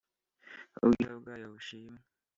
ubwiza bwayo bushimwe.